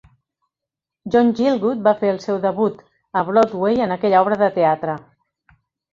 John Gielgud va fer el seu debut a Broadway en aquella obra de teatre.